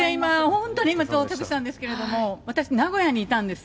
本当に今、到着したんですけれども、私、名古屋にいたんです。